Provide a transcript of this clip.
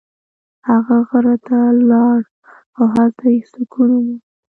هغه غره ته لاړ او هلته یې سکون وموند.